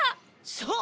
そう！